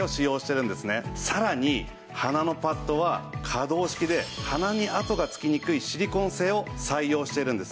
さらに鼻のパッドは可動式で鼻に跡がつきにくいシリコン製を採用しているんです。